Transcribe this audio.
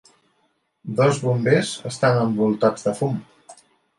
Dos bombers estan envoltats de fum.